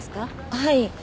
はい。